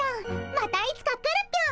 またいつか来るぴょん。